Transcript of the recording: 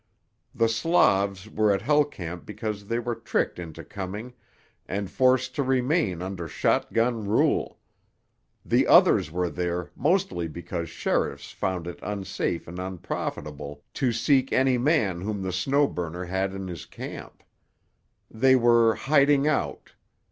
The Slavs were at Hell Camp because they were tricked into coming and forced to remain under shotgun rule; the others were there mostly because sheriffs found it unsafe and unprofitable to seek any man whom the Snow Burner had in his camp. They were "hiding out."